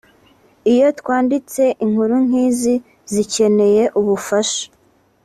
Iyo twanditse inkuru nkizi zikeneye ubufasha